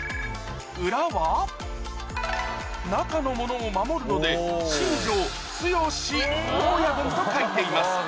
裏は中のものを守るので「新庄強し大親分」と書いています